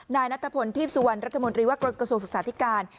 นายนัทพลทีพสุวรรณรัฐมนตรีว่าการกระทรวงศึกษาธิการ